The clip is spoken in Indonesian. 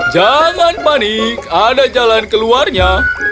jangan panik ada jalan keluarnya